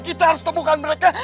kita harus menemukan mereka